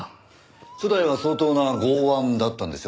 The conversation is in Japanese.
初代は相当な豪腕だったんでしょ。